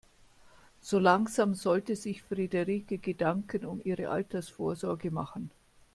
So langsam sollte sich Frederike Gedanken um ihre Altersvorsorge machen.